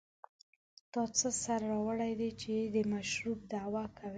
تا څه سر راوړی دی چې د مشرتوب دعوه کوې.